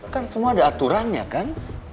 kan semua ada aturan ya kan